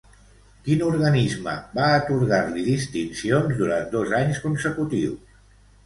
Quin organisme va atorgar-li distincions durant dos anys consecutius?